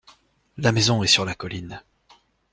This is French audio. La maison est sur la colline.